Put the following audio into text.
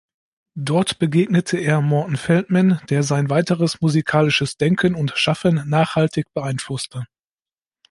Dort begegnete er Morton Feldman, der sein weiteres musikalisches Denken und Schaffen nachhaltig beeinflusste.